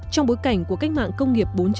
trong bối cảnh của cách mạng công nghiệp bốn